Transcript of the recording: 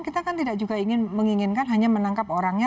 kita kan tidak juga ingin menginginkan hanya menangkap orangnya